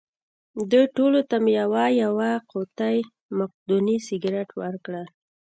دوی ټولو ته مې یوه یوه قوطۍ مقدوني سګرېټ ورکړل.